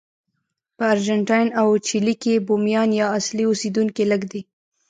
په ارجنټاین او چیلي کې بومیان یا اصلي اوسېدونکي لږ دي.